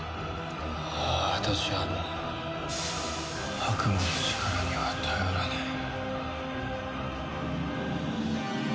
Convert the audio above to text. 私はもう悪魔の力には頼らない。